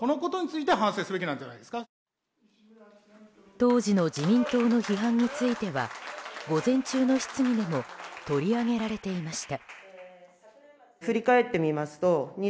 当時の自民党の批判については午前中の質疑でも取り上げられていました。